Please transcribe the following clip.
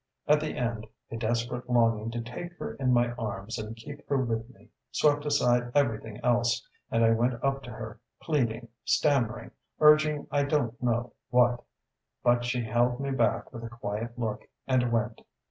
At the end a desperate longing to take her in my arms and keep her with me swept aside everything else, and I went up to her, pleading, stammering, urging I don't know what.... But she held me back with a quiet look, and went.